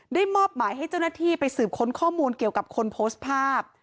มอบหมายให้เจ้าหน้าที่ไปสืบค้นข้อมูลเกี่ยวกับคนโพสต์ภาพ